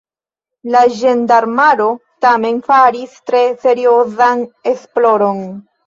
La ĝendarmaro tamen faris tre seriozan esploron.